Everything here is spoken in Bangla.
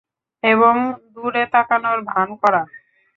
এবং দূরে তাকানোর ভাণ করা।